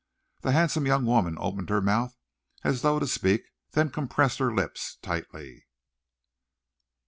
The handsome young woman opened her mouth as though to speak, then compressed her lips tightly.